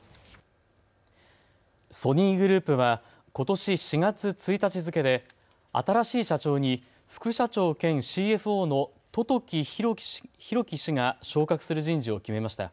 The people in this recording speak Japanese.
ソニーグループはことし４月１日付けで新しい社長に副社長兼ＣＦＯの十時裕樹氏が昇格する人事を決めました。